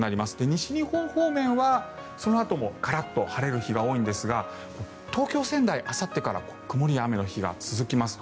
西日本方面はそのあともカラッと晴れる日が多いんですが東京、仙台、あさってから曇りや雨の日が続きます。